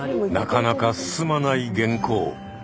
なかなか進まない原稿。